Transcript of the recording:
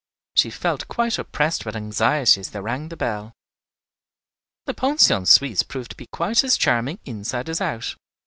She felt quite oppressed with anxiety as they rang the bell. The Pension Suisse proved to be quite as charming inside as out.